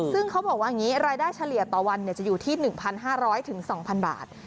ซึ่งเขาบอกว่าอย่างนี้รายได้เฉลี่ยต่อวันจะอยู่ที่๑๕๐๐๒๐๐บาท